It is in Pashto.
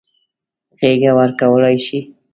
غېږه ورکولای شي.